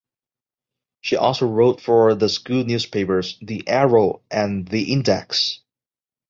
She also wrote for the school newspapers "The Arrow" and "The Index".